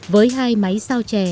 với hai máy sao chè